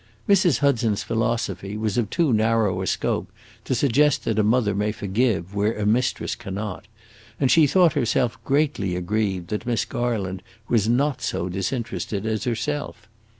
Mrs. Hudson's philosophy was of too narrow a scope to suggest that a mother may forgive where a mistress cannot, and she thought herself greatly aggrieved that Miss Garland was not so disinterested as herself.